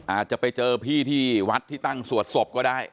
อาจจะไปเจอพี่ที่วัดที่ตั้งสวดศพก็ได้